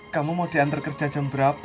kamu mau diantar kerja jam berapa